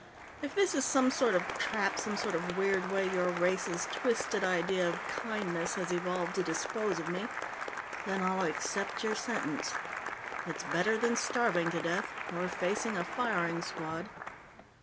If this is some sort of trap, some sort of weird way your race's twisted idea of kindness has evolved to dispose of me, then I'll accept your sentence. It's better than starving to death or facing a firing squad."